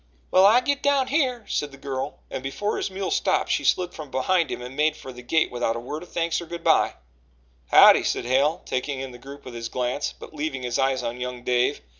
"Well, I git down here," said the girl, and before his mule stopped she slid from behind him and made for the gate without a word of thanks or good by. "Howdye!" said Hale, taking in the group with his glance, but leaving his eyes on young Dave.